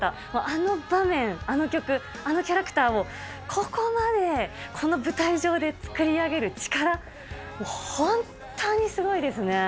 あの場面、あの曲、あのキャラクターを、ここまでこの舞台上で作り上げる力、本当にすごいですね。